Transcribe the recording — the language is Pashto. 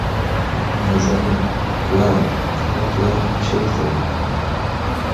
نازنين: پلاره، وه پلاره چېرته يې ؟